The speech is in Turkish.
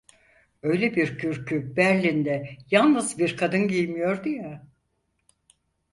Öyle bir kürkü Berlin'de yalnız bir kadın giymiyordu ya?